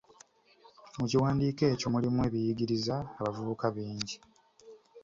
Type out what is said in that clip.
Mu kiwandiiko ekyo mulimu ebiyigiriza abavubuka bingi.